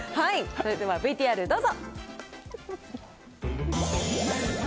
それではＶＴＲどうぞ。